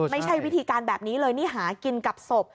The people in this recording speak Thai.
ไม่ใช่วิธีการแบบนี้เลยนี่หากินกับศพ